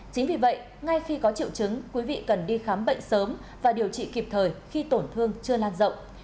chính vì vậy ngay khi có triệu chứng quý vị cần đi khám bệnh sớm và điều trị kịp thời khi tổn thương chưa lan rộng